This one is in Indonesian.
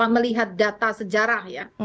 melihat data sejarah ya